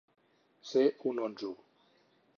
Ser un onso.